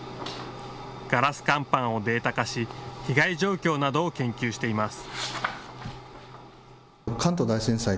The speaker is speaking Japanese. ガラス乾板をデータ化し被害状況などを研究しています。